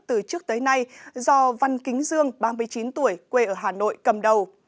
từ trước tới nay do văn kính dương ba mươi chín tuổi quê ở hà nội cầm đầu